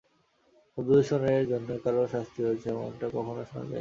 শব্দদূষণের জন্য কারও শাস্তি হয়েছে, এমনটা কখনো শোনা যায়নি।